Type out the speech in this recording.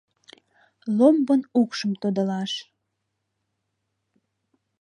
Ломбын укшым тодылаш.